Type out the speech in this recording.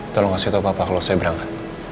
tolong kasih tau papa kalau saya berangkat